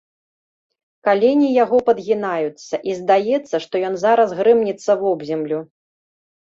Калені яго падгінаюцца, і здаецца, што ён зараз грымнецца вобземлю.